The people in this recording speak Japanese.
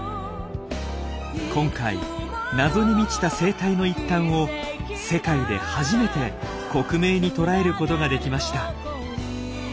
今回謎に満ちた生態の一端を世界で初めて克明に捉えることができました。